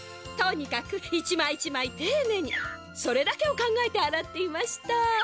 とにかく一枚一枚ていねいにそれだけを考えてあらっていました。